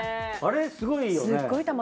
あれすごいよね。